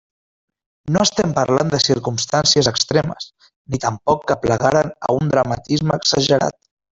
No estem parlant de circumstàncies extremes, ni tampoc que aplegaren a un dramatisme exagerat.